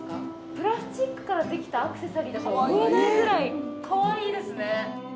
プラスチックからできたアクセサリーとは思えないくらい、かわいいですね。